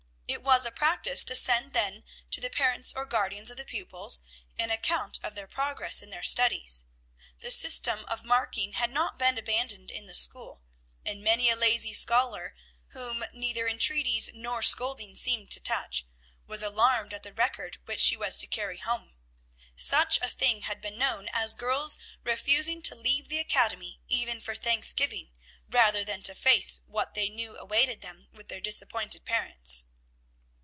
It was a practice to send then to the parents or guardians of the pupils an account of their progress in their studies. The system of marking had not been abandoned in the school; and many a lazy scholar, whom neither intreaties nor scolding seemed to touch, was alarmed at the record which she was to carry home. Such a thing had been known as girls refusing to leave the academy even for Thanksgiving, rather than to face what they knew awaited them with their disappointed parents.